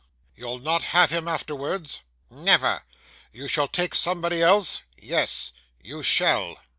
You'll not have him afterwards?' 'Never.' 'You'll take somebody else?' Yes.' 'You shall.